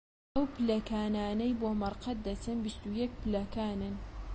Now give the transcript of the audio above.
ئەو پلەکانانەی بۆ مەرقەد دەچن، بیست و یەک پلەکانن